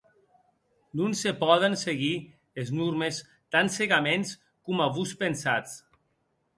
Non se pòden seguir es normes tan cègaments coma vos pensatz.